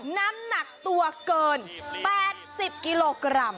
น้ำหนักตัวเกิน๘๐กิโลกรัม